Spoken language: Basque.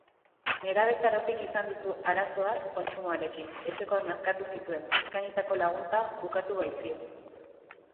Nerabezarotik izan ditu arazoak kontsumoarekin, etxekoak nazkatu zituen, eskainitako laguntza ukatu baitzien.